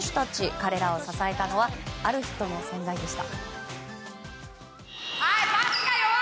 彼らを支えたのはある人の存在でした。